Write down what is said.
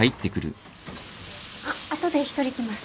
あっ後で１人来ます。